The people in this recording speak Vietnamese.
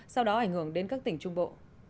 sau đó ảnh hưởng đến các tỉnh trung bộ